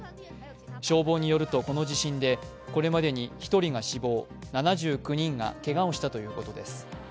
消防によると、この地震でこれまでに１人が死亡、７９人がけがをしたということです。